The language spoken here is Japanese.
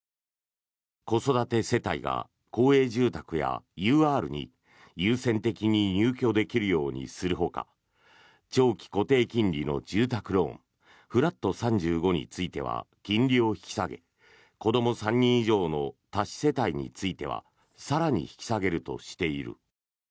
子育て世帯が公営住宅やＵＲに優先的に入居できるようにするほか長期固定金利の住宅ローンフラット３５については金利を引き下げ子ども３人以上の多子世帯については更に引き下げるとしている。